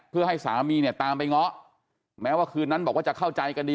เพื่อให้สามีเนี่ยตามไปเงาะแม้ว่าคืนนั้นบอกว่าจะเข้าใจกันดี